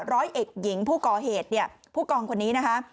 ร้อยเอกหญิงผู้ก่อเหตุเนี่ยผู้กองคนนี้นะคะ